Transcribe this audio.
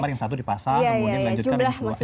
ring satu dipasang kemudian lanjutkan